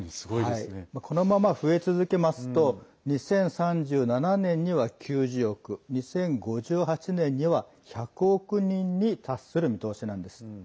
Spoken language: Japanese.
このまま増え続けますと２０３７年には９０億２０５８年には、１００億人に達する見通しなんです。